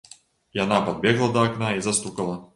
Яна падбегла да акна і застукала.